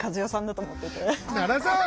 奈良さん！